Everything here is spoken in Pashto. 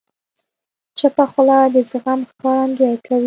چپه خوله، د زغم ښکارندویي کوي.